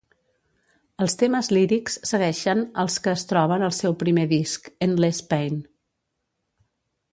Els temes lírics segueixen els que es troben al seu primer disc "Endless Pain".